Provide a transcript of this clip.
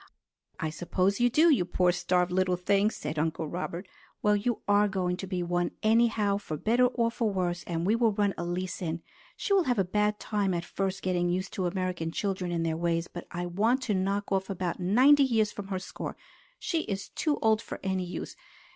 "I suppose you do, you poor starved little thing!" said Uncle Robert. "Well, you are going to be one anyhow, for better or for worse, and we will run Elise in. She will have a bad time at first getting used to American children and their ways, but I want to knock off about ninety years from her score. She is too old for any use.